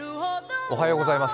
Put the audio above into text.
おはようございます。